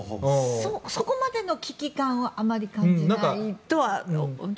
そこまでの危機感はあまり感じないとは思います。